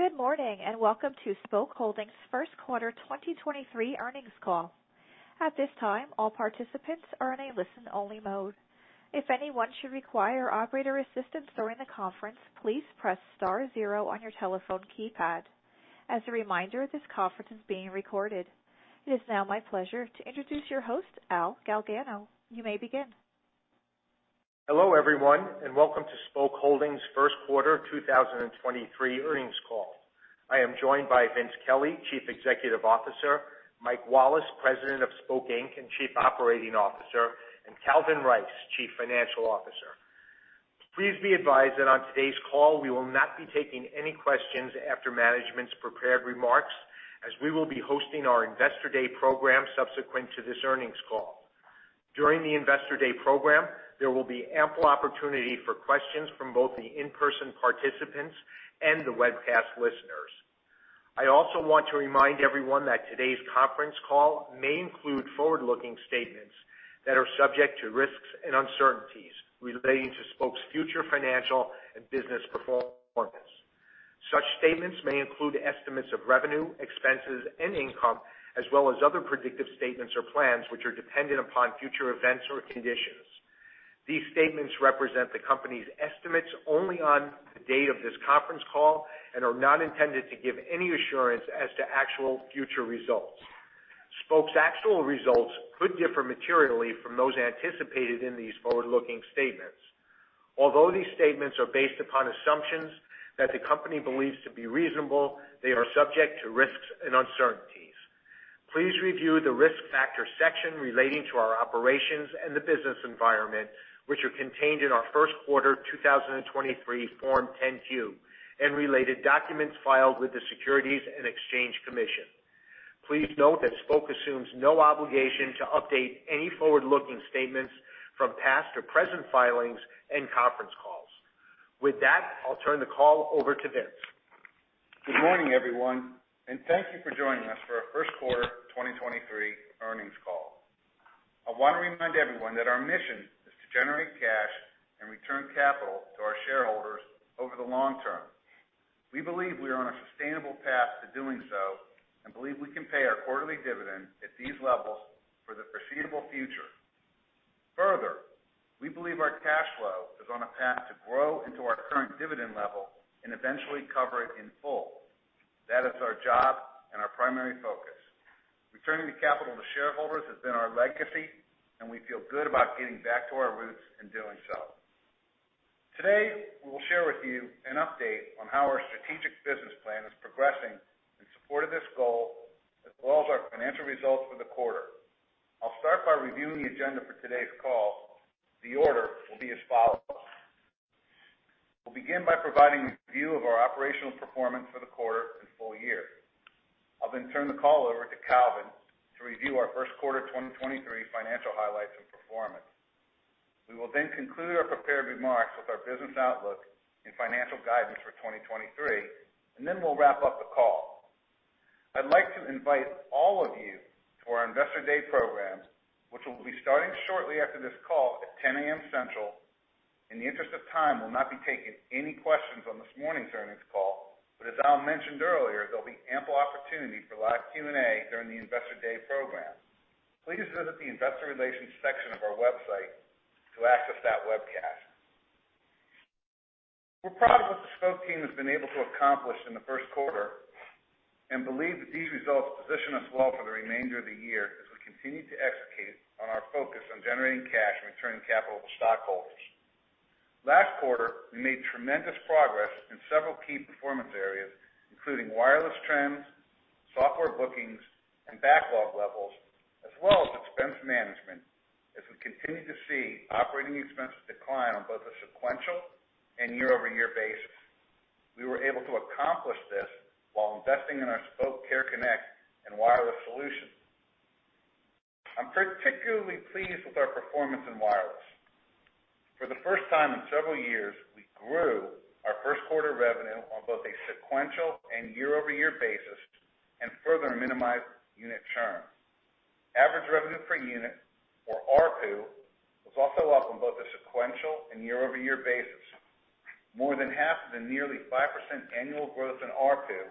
Good morning. Welcome to Spok Holdings Q1 2023 Earnings Call. At this time, all participants are in a listen-only mode. If anyone should require operator assistance during the conference, please press star zero on your telephone keypad. As a reminder, this conference is being recorded. It is now my pleasure to introduce your host, Al Galgano. You may begin. Hello, everyone, and welcome to Spok Holdings Q1 2023 earnings call. I am joined by Vince Kelly, Chief Executive Officer, Mike Wallace, President of Spok, Inc. and Chief Operating Officer, and Calvin Rice, Chief Financial Officer. Please be advised that on today's call, we will not be taking any questions after management's prepared remarks as we will be hosting our Investor Day program subsequent to this earnings call. During the Investor Day program, there will be ample opportunity for questions from both the in-person participants and the webcast listeners. I also want to remind everyone that today's conference call may include forward-looking statements that are subject to risks and uncertainties relating to Spok's future financial and business performance. Such statements may include estimates of revenue, expenses, and income, as well as other predictive statements or plans which are dependent upon future events or conditions. These statements represent the company's estimates only on the date of this conference call and are not intended to give any assurance as to actual future results. Spok's actual results could differ materially from those anticipated in these forward-looking statements. Although these statements are based upon assumptions that the company believes to be reasonable, they are subject to risks and uncertainties. Please review the risk factor section relating to our operations and the business environment, which are contained in our Q1 2023 Form 10-Q and related documents filed with the Securities and Exchange Commission. Please note that Spok assumes no obligation to update any forward-looking statements from past or present filings and conference calls. With that, I'll turn the call over to Vince. Good morning, everyone, and thank you for joining us for our Q1 2023 earnings call. I wanna remind everyone that our mission is to generate cash and return capital to our shareholders over the long term. We believe we are on a sustainable path to doing so and believe we can pay our quarterly dividend at these levels for the foreseeable future. Further, we believe our cash flow is on a path to grow into our current dividend level and eventually cover it in full. That is our job and our primary focus. Returning the capital to shareholders has been our legacy, and we feel good about getting back to our roots in doing so. Today, we will share with you an update on how our strategic business plan is progressing in support of this goal, as well as our financial results for the quarter. I'll start by reviewing the agenda for today's call. The order will be as follows. We'll begin by providing a view of our operational performance for the quarter and full year. I'll then turn the call over to Calvin to review our Q1 2023 financial highlights and performance. We will then conclude our prepared remarks with our business outlook and financial guidance for 2023, and then we'll wrap up the call. I'd like to invite all of you to our Investor Day program, which will be starting shortly after this call at 10:00 A.M. Central. In the interest of time, we'll not be taking any questions on this morning's earnings call. As Al mentioned earlier, there'll be ample opportunity for live Q&A during the Investor Day program. Please visit the investor relations section of our website to access that webcast. We're proud of what the Spok team has been able to accomplish in the Q1 and believe that these results position us well for the remainder of the year as we continue to execute on our focus on generating cash and returning capital to stockholders. Last quarter, we made tremendous progress in several key performance areas, including wireless trends, software bookings, and backlog levels, as well as expense management, as we continue to see operating expenses decline on both a sequential and year-over-year basis. We were able to accomplish this while investing in our Spok Care Connect and wireless solutions. I'm particularly pleased with our performance in wireless. For the first time in several years, we grew our Q1 revenue on both a sequential and year-over-year basis and further minimized unit churn. Average revenue per unit, or ARPU, was also up on both a sequential and year-over-year basis. More than half of the nearly 5% annual growth in ARPU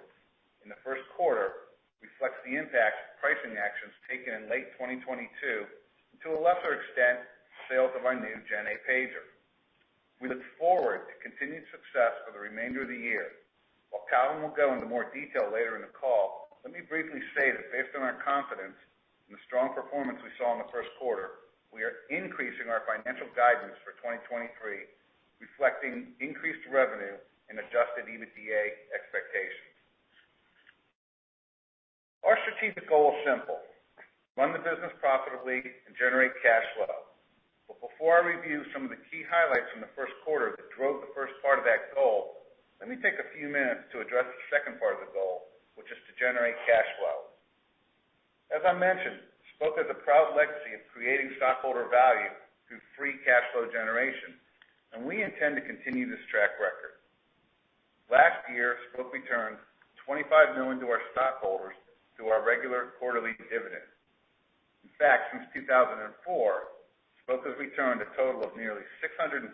in the Q1 reflects the impact of pricing actions taken in late 2022, and to a lesser extent, sales of our new GenA pager. We look forward to continued success for the remainder of the year. While Calvin will go into more detail later in the call, let me briefly say that based on our confidence and the strong performance we saw in the Q1, we are increasing our financial guidance for 2023, reflecting increased revenue and adjusted EBITDA expectations. Our strategic goal is simple: run the business profitably and generate cash flow. Before I review some of the key highlights from the Q1 that drove the first part of that goal, let me take a few minutes to address the second part of the goal, which is to generate cash flow. As I mentioned, Spok has a proud legacy of creating stockholder value through free cash flow generation, and we intend to continue this track record. Last year, Spok returned $25 million to our stockholders through our regular quarterly dividend. In fact, since 2004, Spok has returned a total of nearly $655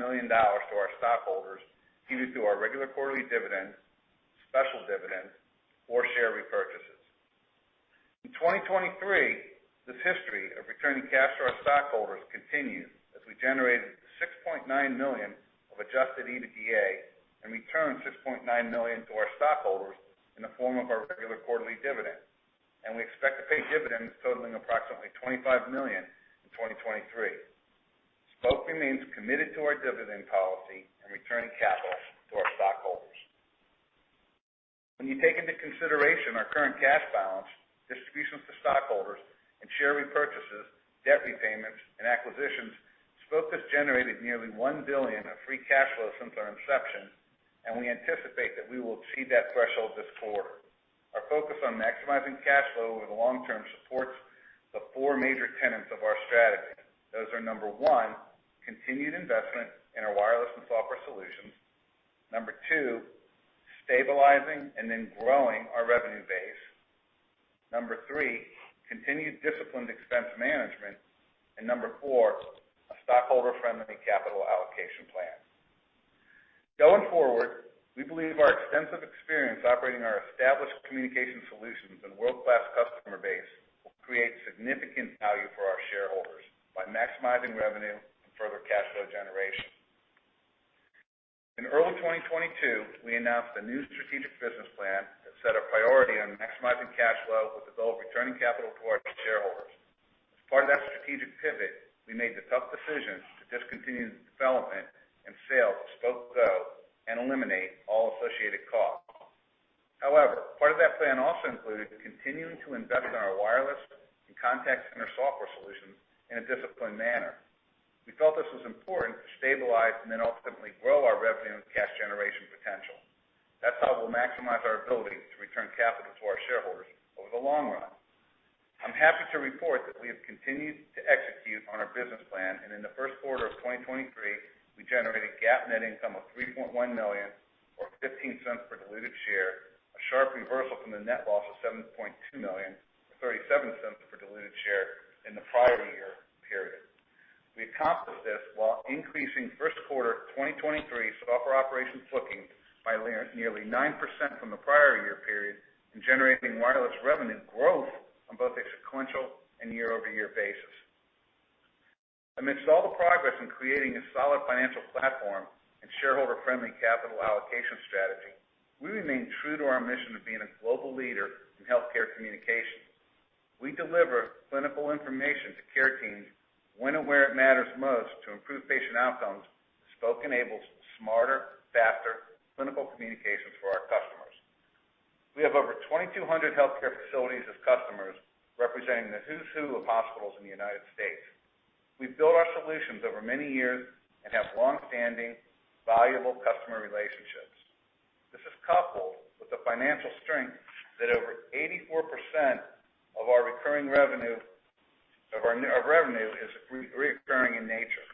million to our stockholders, either through our regular quarterly dividends, special dividends, or share repurchases. In 2023, this history of returning cash to our stockholders continued as we generated $6.9 million of adjusted EBITDA and returned $6.9 million to our stockholders in the form of our regular quarterly dividend. We expect to pay dividends totaling approximately $25 million in 2023. Spok remains committed to our dividend policy in returning capital to our stockholders. When you take into consideration our current cash balance, distributions to stockholders, and share repurchases, debt repayments, and acquisitions, Spok has generated nearly $1 billion of free cash flow since our inception, and we anticipate that we will exceed that threshold this quarter. Our focus on maximizing cash flow over the long term supports the four major tenets of our strategy. Those are, number one, continued investment in our wireless and software solutions. Number two, stabilizing and then growing our revenue base. Number three, continued disciplined expense management. Number four, a stockholder-friendly capital allocation plan. Going forward, we believe our extensive experience operating our established communication solutions and world-class customer base will create significant value for our shareholders by maximizing revenue and further cash flow generation. In early 2022, we announced a new strategic business plan that set a priority on maximizing cash flow with the goal of returning capital to our shareholders. As part of that strategic pivot, we made the tough decision to discontinue the development and sale of Spok Go and eliminate all associated costs. However, part of that plan also included continuing to invest in our wireless and contact center software solutions in a disciplined manner. We felt this was important to stabilize and then ultimately grow our revenue and cash generation potential. That's how we'll maximize our ability to return capital to our shareholders over the long run. I'm happy to report that we have continued to execute on our business plan, and in the Q1 of 2023, we generated GAAP net income of $3.1 million, or $0.15 per diluted share, a sharp reversal from the net loss of $7.2 million, or $0.37 per diluted share in the prior year period. We accomplished this while increasing Q1 of 2023 software operations bookings by nearly 9% from the prior year period and generating wireless revenue growth on both a sequential and year-over-year basis. Amidst all the progress in creating a solid financial platform and shareholder-friendly capital allocation strategy, we remain true to our mission of being a global leader in healthcare communications. We deliver clinical information to care teams when and where it matters most to improve patient outcomes. Spok enables smarter, faster clinical communications for our customers. We have over 2,200 healthcare facilities as customers, representing the who's who of hospitals in the United States. We've built our solutions over many years and have long-standing, valuable customer relationships. This is coupled with the financial strength that over 84% of revenue is recurring in nature,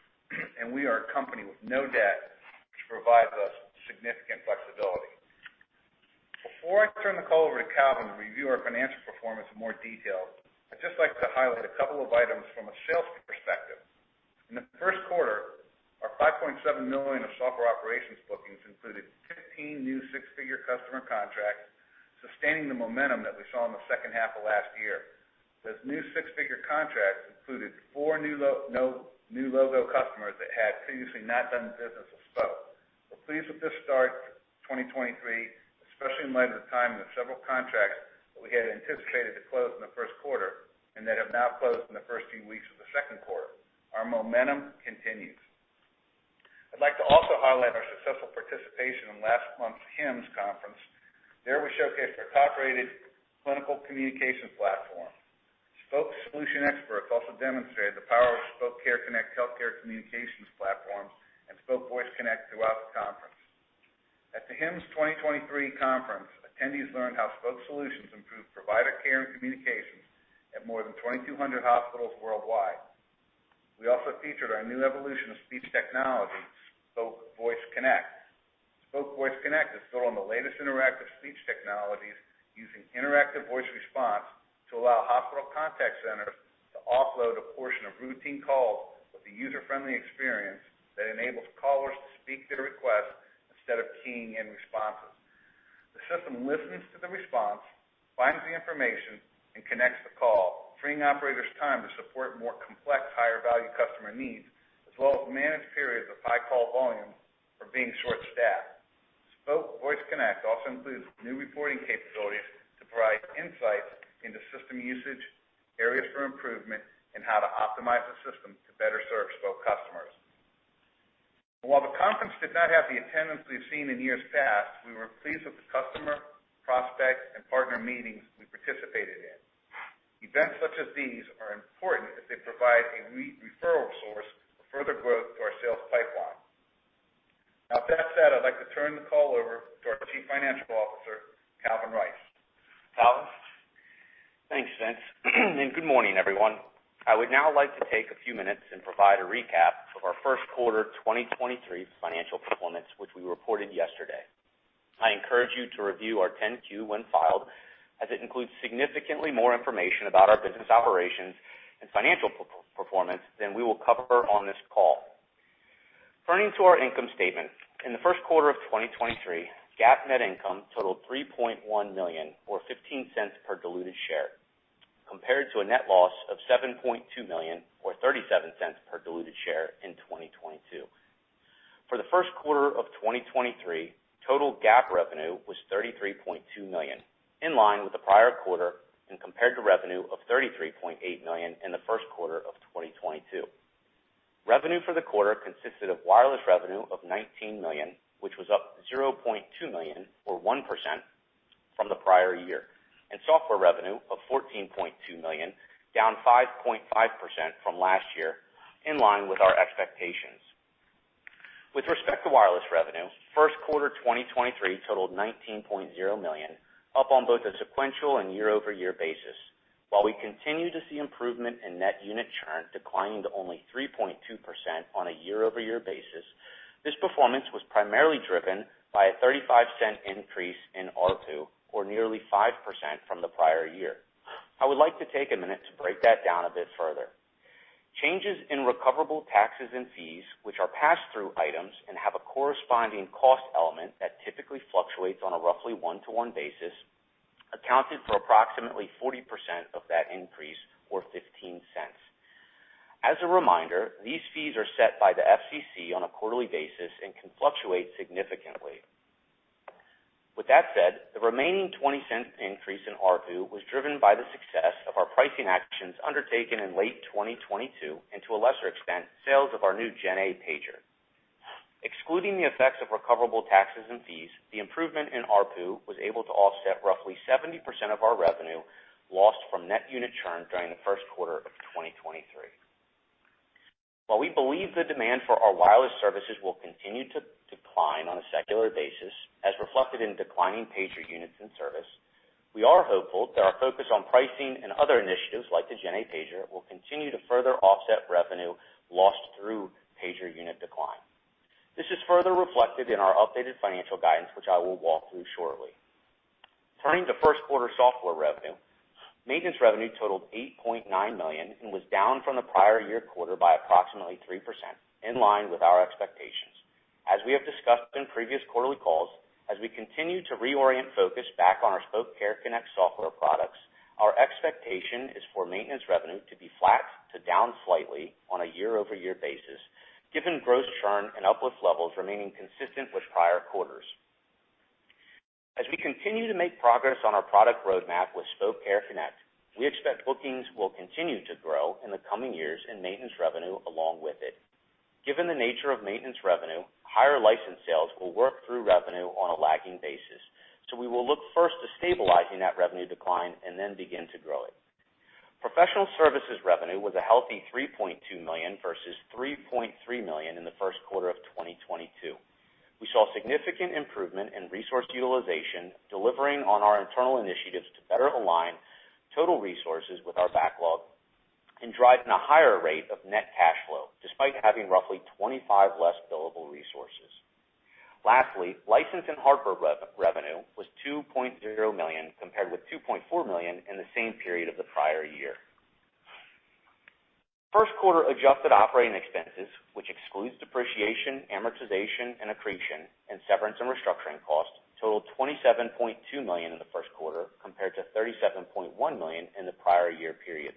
and we are a company with no debt, which provides us significant flexibility. Before I turn the call over to Calvin to review our financial performance in more detail, I'd just like to highlight a couple of items from a sales perspective. In the Q1, our $5.7 million of software operations bookings included 15 new six-figure customer contracts, sustaining the momentum that we saw in the second half of last year. Those new six-figure contracts included 4 new logo customers that had previously not done business with Spok. We're pleased with this start to 2023, especially in light of the timing of several contracts that we had anticipated to close in the Q1 and that have now closed in the first few weeks of the Q2. Our momentum continues. I'd like to also highlight our successful participation in last month's HIMSS conference. There we showcased our top-rated clinical communications platform. Spok solution experts also demonstrated the power of Spok Care Connect healthcare communications platforms and Spok Voice Connect throughout the conference. At the HIMSS 2023 conference, attendees learned how Spok solutions improve provider care and communications at more than 2,200 hospitals worldwide. We also featured our new evolution of speech technology, Spok Voice Connect. Spok Voice Connect is built on the latest interactive speech technologies using interactive voice response to allow hospital contact centers to offload a portion of routine calls with a user-friendly experience that enables callers to speak their requests instead of keying in responses. The system listens to the response, finds the information, and connects the call, freeing operators' time to support more complex, higher-value customer needs, as well as manage periods of high call volumes or being short-staffed. Spok Voice Connect also includes new reporting capabilities to provide insights into system usage, areas for improvement, and how to optimize the system to better serve Spok customers. While the conference did not have the attendance we've seen in years past, we were pleased with the customer, prospect, and partner meetings we participated in. Events such as these are important as they provide a re-referral source for further growth to our sales pipeline. With that said, I'd like to turn the call over to our Chief Financial Officer, Calvin Rice. Calvin? Thanks, Vince. Good morning, everyone. I would now like to take a few minutes and provide a recap of our Q1 of 2023 financial performance, which we reported yesterday. I encourage you to review our 10-Q when filed, as it includes significantly more information about our business operations and financial performance than we will cover on this call. Turning to our income statement. In the Q1 of 2023, GAAP net income totaled $3.1 million, or $0.15 per diluted share, compared to a net loss of $7.2 million, or $0.37 per diluted share in 2022. For the Q1 of 2023, total GAAP revenue was $33.2 million, in line with the prior quarter and compared to revenue of $33.8 million in the Q1 of 2022. Revenue for the quarter consisted of wireless revenue of $19 million, which was up $0.2 million or 1% from the prior year, and software revenue of $14.2 million, down 5.5% from last year, in line with our expectations. With respect to wireless revenue, Q1 2023 totaled $19.0 million, up on both a sequential and year-over-year basis. While we continue to see improvement in net unit churn declining to only 3.2% on a year-over-year basis, this performance was primarily driven by a $0.35 increase in ARPU, or nearly 5% from the prior year. I would like to take a minute to break that down a bit further. Changes in recoverable taxes and fees, which are passed through items and have a corresponding cost element that typically fluctuates on a roughly one-to-one basis, accounted for approximately 40% of that increase, or $0.15. As a reminder, these fees are set by the FCC on a quarterly basis and can fluctuate significantly. With that said, the remaining $0.20 increase in ARPU was driven by the success of our pricing actions undertaken in late 2022, and to a lesser extent, sales of our new GenA pager. Excluding the effects of recoverable taxes and fees, the improvement in ARPU was able to offset roughly 70% of our revenue lost from net unit churn during the Q1 of 2023. While we believe the demand for our wireless services will continue to decline on a secular basis, as reflected in declining pager units in service, we are hopeful that our focus on pricing and other initiatives, like the GenA pager, will continue to further offset revenue lost through pager unit decline. This is further reflected in our updated financial guidance, which I will walk through shortly. Turning to Q1 software revenue. Maintenance revenue totaled $8.9 million and was down from the prior year quarter by approximately 3%, in line with our expectations. As we have discussed in previous quarterly calls, as we continue to reorient focus back on our Spok Care Connect software products, our expectation is for maintenance revenue to be flat to down slightly on a year-over-year basis, given gross churn and uplift levels remaining consistent with prior quarters. As we continue to make progress on our product roadmap with Spok Care Connect, we expect bookings will continue to grow in the coming years and maintenance revenue along with it. Given the nature of maintenance revenue, higher license sales will work through revenue on a lagging basis, so we will look first to stabilizing that revenue decline and then begin to grow it. Professional services revenue was a healthy $3.2 million versus $3.3 million in the Q1 of 2022. We saw significant improvement in resource utilization, delivering on our internal initiatives to better align total resources with our backlog and driving a higher rate of net cash flow despite having roughly 25 less billable resources. Lastly, license and hardware revenue was $2.0 million compared with $2.4 million in the same period of the prior year. Q1 adjusted operating expenses, which excludes depreciation, amortization and accretion and severance and restructuring costs, totaled $27.2 million in the Q1 compared to $37.1 million in the prior year period.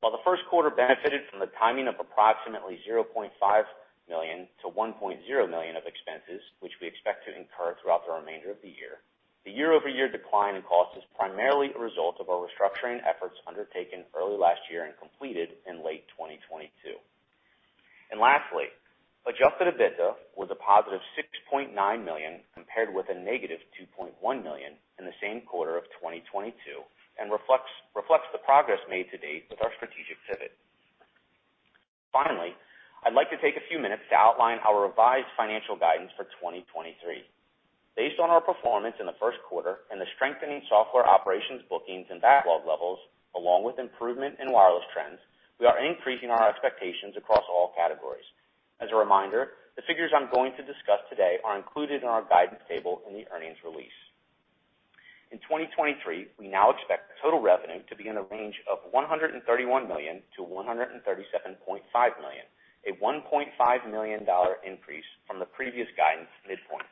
While the Q1 benefited from the timing of approximately $0.5 million–$1.0 million of expenses, which we expect to incur throughout the remainder of the year, the year-over-year decline in cost is primarily a result of our restructuring efforts undertaken early last year and completed in late 2022. Lastly, adjusted EBITDA was a positive $6.9 million compared with a negative $2.1 million in the same quarter of 2022, and reflects the progress made to date with our strategic pivot. Finally, I'd like to take a few minutes to outline our revised financial guidance for 2023. Based on our performance in the Q1 and the strengthening software operations bookings and backlog levels, along with improvement in wireless trends, we are increasing our expectations across all categories. As a reminder, the figures I'm going to discuss today are included in our guidance table in the earnings release. In 2023, we now expect total revenue to be in a range of $131 million–$137.5 million, a $1.5 million increase from the previous guidance midpoint.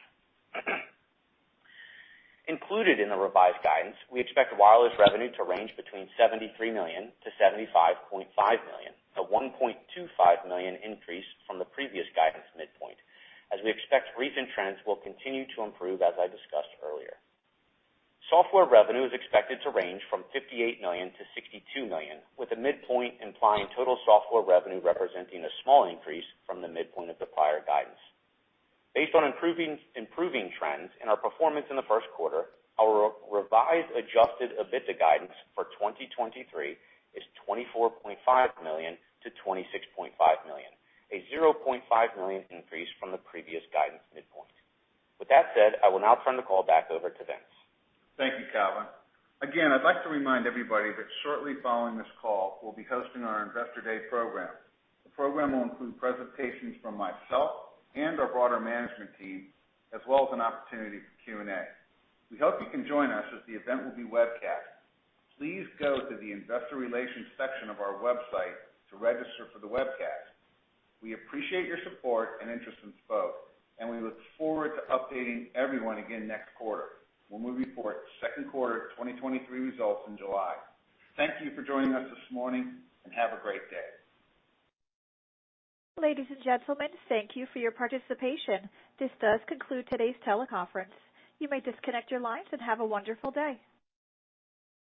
Included in the revised guidance, we expect wireless revenue to range between $73 million–$75.5 million, a $1.25 million increase from the previous guidance midpoint, as we expect recent trends will continue to improve as I discussed earlier. Software revenue is expected to range from $58 million-$62 million, with a midpoint implying total software revenue representing a small increase from the midpoint of the prior guidance. Based on improving trends and our performance in the Q1, our re-revised adjusted EBITDA guidance for 2023 is $24.5 million–$26.5 million, a $0.5 million increase from the previous guidance midpoint. With that said, I will now turn the call back over to Vince. Thank you, Calvin. I'd like to remind everybody that shortly following this call, we'll be hosting our Investor Day program. The program will include presentations from myself and our broader management team, as well as an opportunity for Q&A. We hope you can join us as the event will be webcast. Please go to the investor relations section of our website to register for the webcast. We appreciate your support and interest in Spok, and we look forward to updating everyone again next quarter when we report Q2 2023 results in July. Thank you for joining us this morning, and have a great day. Ladies and gentlemen, thank you for your participation. This does conclude today's teleconference. You may disconnect your lines and have a wonderful day.